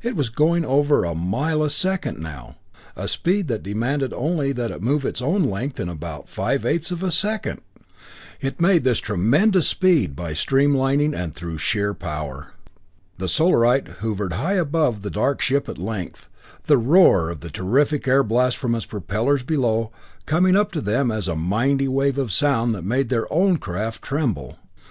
It was going over a mile a second now a speed that demanded only that it move its own length in about five eights of a second! It made this tremendous speed by streamlining and through sheer power. The Solarite hovered high above the dark ship at length, the roar of the terrific air blast from its propellers below coming up to them as a mighty wave of sound that made their own craft tremble!